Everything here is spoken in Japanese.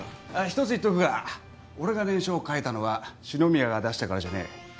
一つ言っておくが俺が念書を書いたのは紫宮が出したからじゃねえ。